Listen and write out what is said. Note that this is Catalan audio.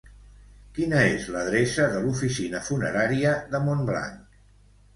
Quina és l'adreça de l'oficina funerària de Montblanc?